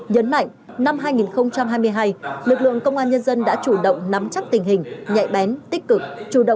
nhấn mạnh năm hai nghìn hai mươi hai lực lượng công an nhân dân đã chủ động nắm chắc tình hình nhạy bén tích cực